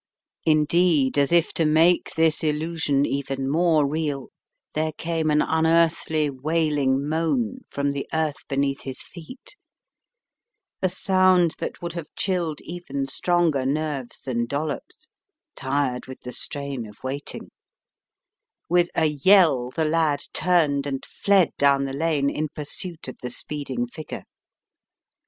Indeed, as if to make this illusion even more real, there came an unearthly wailing moan from the earth beneath his feet, a sound that would have chilled even stronger nerves than Dollops', tired with the strain of waiting With a yell the lad turned and fled down the lane in pursuit of the speeding figure.